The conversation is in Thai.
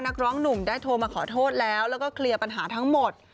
นักร้องหนุ่มได้โทรมาขอโทษแล้วแล้วก็เคลียร์ปัญหาทั้งหมด